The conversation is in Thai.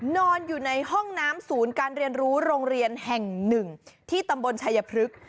นอนอยู่ในห้องน้ำศูนย์การเรียนรู้โรงเรียนแห่งหนึ่งที่ตำบลชายพฤกษ์